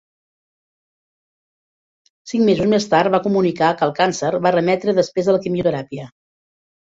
Cinc mesos més tard va comunicar que el càncer va remetre després de la quimioteràpia.